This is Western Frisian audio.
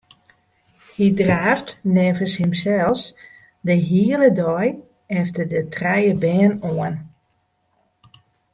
Hy draaft neffens himsels de hiele dei efter de trije bern oan.